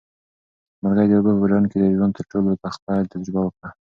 مرغۍ د اوبو په ډنډ کې د ژوند تر ټولو تخه تجربه وکړه.